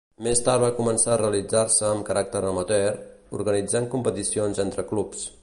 Més tard va començar a realitzar-se amb caràcter amateur, organitzant competicions entre clubs.